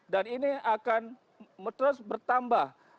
dan ini akan terus bertambah